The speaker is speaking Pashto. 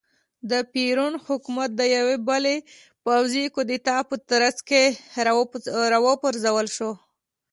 د پېرون حکومت د یوې بلې پوځي کودتا په ترڅ کې را وپرځول شو.